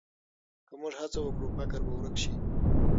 که موږ هڅه وکړو، فقر به ورک شي.